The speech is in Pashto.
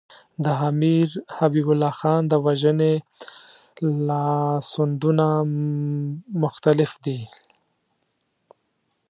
د امیر حبیب الله خان د وژنې لاسوندونه مختلف دي.